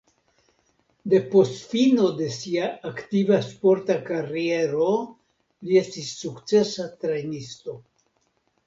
Depost fino de sia aktiva sporta kariero li estis sukcesa trejnisto.